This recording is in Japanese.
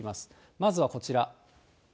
まずはこちら。